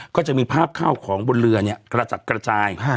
ก็จะมีภาพข้าวของบนเรือเนี่ยกระจัดกระจาย